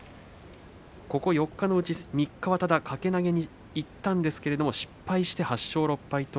ここ４日のうち３日は掛け投げにいったんですが失敗して８勝６敗。